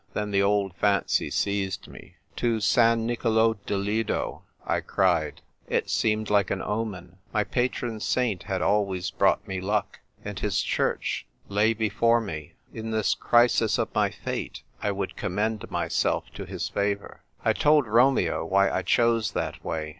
Then the old fancy seized me. " To San Nicolo di Lido !" I cried. It seemed like an omen. My patron saint had always brought me luck, and his church lay before " O, ROMEO, ROMEO !" 209 me. In this crisis of my fate I would com mend myself to his favour. I told Romeo why I chose that way.